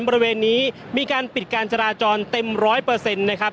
บริเวณนี้มีการปิดการจราจรเต็มร้อยเปอร์เซ็นต์นะครับ